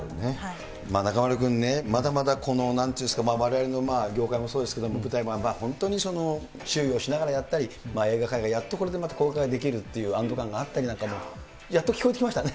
ま中丸君ね、まだまだこのなんていうんですか、われわれの業界もそうですけども、舞台も本当に注意をしながらやったり、映画界もこれでやっと公開できるっていう安ど感があったり、やっと聞こえてきましたね。